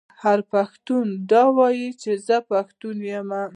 هر پښتون دې ووايي چې زه پښتو یم.